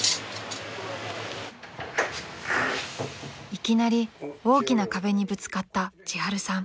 ［いきなり大きな壁にぶつかったちはるさん］